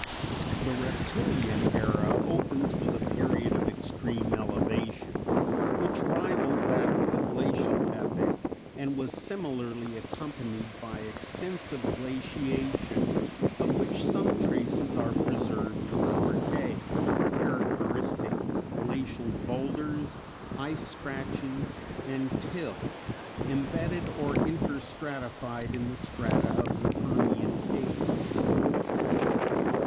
_ The Reptilian Era opens with a period of extreme elevation, which rivalled that of the Glacial Epoch and was similarly accompanied by extensive glaciation of which some traces are preserved to our day in characteristic glacial boulders, ice scratches, and till, imbedded or inter stratified in the strata of the Permian age.